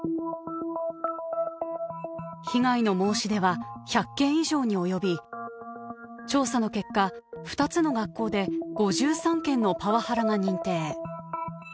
被害の申し出は１００件以上に及び調査の結果２つの学校で５３件のパワハラが認定。